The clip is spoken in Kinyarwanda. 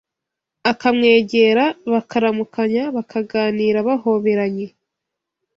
akamwegera bakaramukanya bakaganira bahoberanye